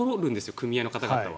組合の方々は。